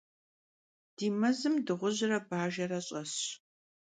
Di mezım dığujre bajjere ş'esş.